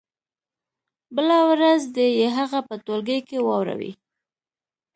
بله ورځ دې يې هغه په ټولګي کې واوروي.